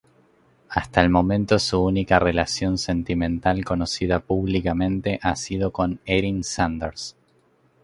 Hasta el momento su única relación sentimental conocida públicamente ha sido con Erin Sanders.